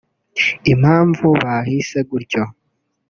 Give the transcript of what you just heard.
Impamvu bahise gutyo